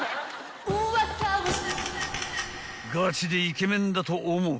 ［ガチでイケメンだと思う